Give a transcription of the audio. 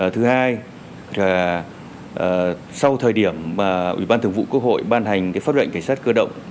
thứ hai sau thời điểm ủy ban thường vụ quốc hội ban hành pháp lệnh cảnh sát cơ động